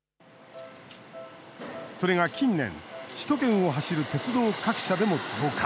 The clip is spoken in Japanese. それが近年、首都圏を走る鉄道各社でも増加。